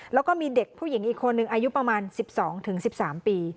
แล้วก็มีเด็กผู้หญิงอีกคนนึงอายุประมาณสิบสองถึงสิบสามปี